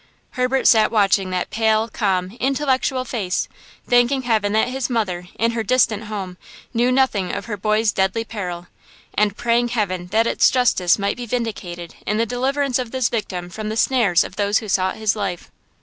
Herbert sat watching that pale, calm, intellectual face, thanking heaven that his mother, in her distant home, knew nothing of her boy's deadly peril and praying heaven that its justice might be vindicated in the deliverance of this victim from the snares of those who sought his life.